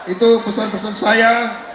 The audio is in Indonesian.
itu pesan pesan saya